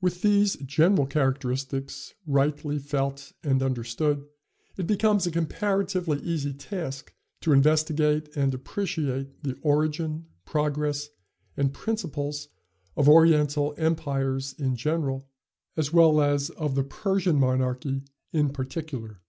With these general characteristics rightly felt and understood it becomes a comparatively easy task to investigate and appreciate the origin, progress and principles of Oriental empires in general, as well as of the Persian monarchy in particular.